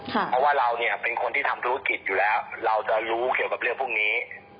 เพราะว่าเราเนี่ยเป็นคนที่ทำธุรกิจอยู่แล้วเราจะรู้เกี่ยวกับเรื่องพวกนี้